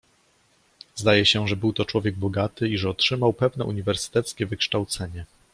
"Zdaje się, że był to człowiek bogaty i że otrzymał pewne uniwersyteckie wykształcenie."